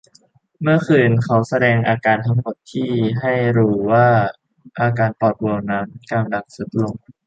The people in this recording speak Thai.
เมื่อคืนเขาแสดงอาการทั้งหมดที่ให้รูว่าอาการปอดบวมนั้นกำลังทรุดลง